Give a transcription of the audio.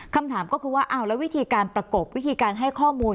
คำถามก็คือว่าอ้าวแล้ววิธีการประกบวิธีการให้ข้อมูล